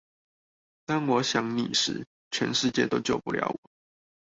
當我想你時，全世界都救不了我